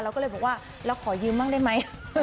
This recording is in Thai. เราก็เลยบอกว่าเราขอยืมบ้างได้ไหม